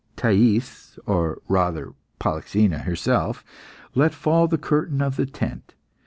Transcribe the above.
Thais or rather Polyxena herself let fall the curtain of the tent.